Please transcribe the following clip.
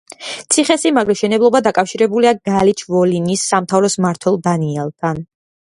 ციხესიმაგრის მშენებლობა დაკავშირებულია გალიჩ-ვოლინის სამთავროს მმართველ დანიელთან.